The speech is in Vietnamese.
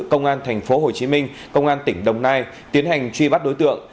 công an thành phố hồ chí minh công an tỉnh đồng nai tiến hành truy bắt đối tượng